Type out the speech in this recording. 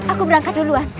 aku berangkat duluan